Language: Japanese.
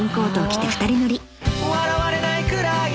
「笑われないくらいの愛で」